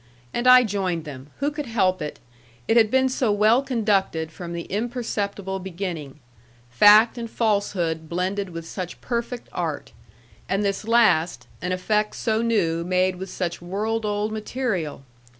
And I joined them. Who could help it? It had been so well conducted from the imperceptible beginning. Fact and falsehood blended with such perfect art. And this last, an effect so new made with such world old material!